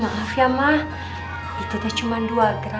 suster situ pak